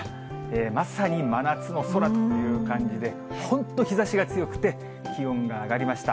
まさに真夏の空という感じで、本当、日ざしが強くて、気温が上がりました。